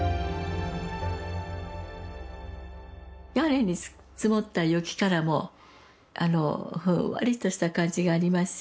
屋根に積もった雪からもふんわりとした感じがありますし